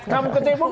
kamu ke t pop